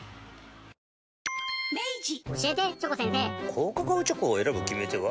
高カカオチョコを選ぶ決め手は？